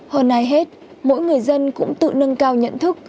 hơn ai hết mỗi người dân cũng tự nâng cao nhận thức